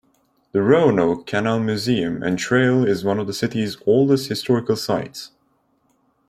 The Roanoke Canal Museum and Trail is one of the city's oldest historical sites.